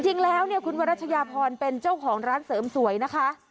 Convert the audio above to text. จริงแล้วเนี่ยคุณวรัชยาพรเป็นเจ้าของร้านเสริมสวยนะคะ